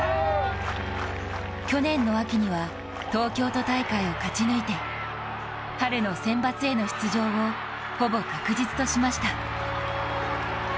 去年の秋には東京大会を勝ち抜いて春の選抜への出場をほぼ確実としました。